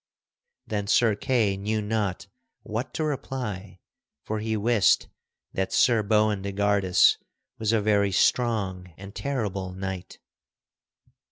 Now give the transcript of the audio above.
Then Sir Kay knew not what to reply for he wist that Sir Boindegardus was a very strong and terrible knight.